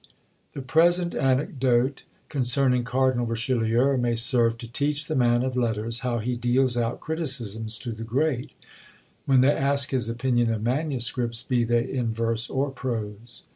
The present anecdote concerning Cardinal Richelieu may serve to teach the man of letters how he deals out criticisms to the great, when they ask his opinion of manuscripts, be they in verse or prose.